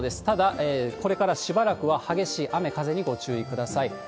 ただ、これからしばらくは激しい雨、風にご注意ください。